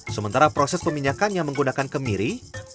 sementara proses peminyakannya menggunakan kemiri